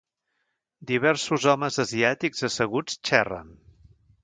Diversos homes asiàtics asseguts xerren.